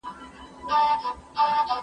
درمل باید تصدیق شوي وي.